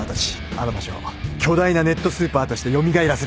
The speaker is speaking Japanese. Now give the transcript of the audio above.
あの場所を巨大なネットスーパーとして蘇らせるんだ。